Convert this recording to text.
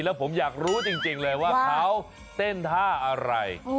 แล้วผมอยากรู้จริงเลยว่าเขาเต้นท่าอะไร